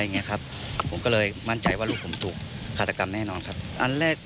ครับผมก็เลยมั่นใจว่าลูกผมถูกฆาตกรรมแน่นอนครับอันแรก